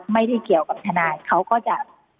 ไม่ได้เกี่ยวกับทนายเขาก็จะ